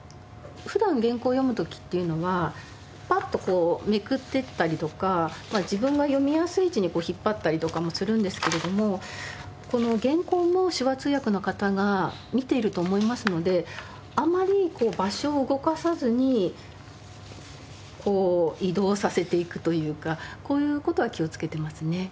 普段原稿を読む時っていうのはパッとこうめくっていったりとか自分が読みやすい位置に引っ張ったりとかもするんですけれどもこの原稿も手話通訳の方が見てると思いますのであまり場所を動かさずにこう移動させていくというかこういう事は気をつけてますね。